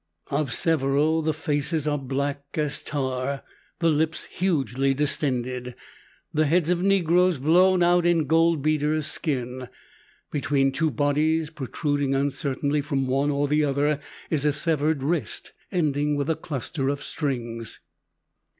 Of several the faces are black as tar, the lips hugely distended the heads of negroes blown out in goldbeaters' skin. Between two bodies, protruding uncertainly from one or the other, is a severed wrist, ending with a cluster of strings.